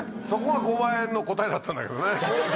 そこが５万円の答えだったんだけどね。